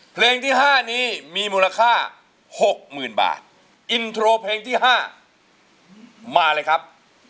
เพลงที่ห้านี้มีมูลค่าหกหมื่นบาทอินโทรเพลงที่ห้ามาเลยครับ